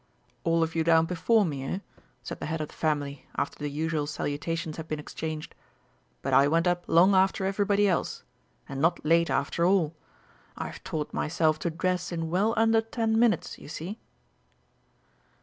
"All of you down before me, eh?" said the head of the family after the usual salutations had been exchanged. "But I went up long after everybody else. And not late after all I've taught myself to dress in well under ten minutes, you see!"